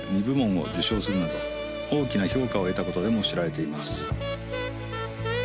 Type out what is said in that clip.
２部門を受賞するなど大きな評価を得たことでも知られています